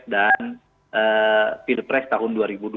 pencalonan pilpres dan pilpres tahun dua ribu dua puluh empat